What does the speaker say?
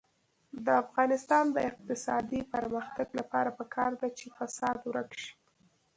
د افغانستان د اقتصادي پرمختګ لپاره پکار ده چې فساد ورک شي.